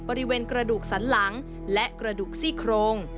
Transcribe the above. บริเวณกระดูกสันหลังและกระดูกซี่โครง